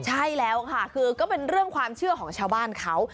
ใช่แล้วค่ะคือก็เป็นเรื่องความเชื่อของชาวบ้านเขา